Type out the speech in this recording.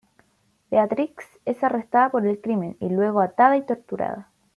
Beatrix es arrestada por el crimen, y luego atada y torturada.